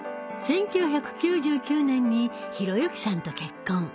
１９９９年に弘幸さんと結婚。